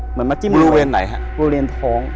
เหมือนมาจิ้มโบเรนท้อง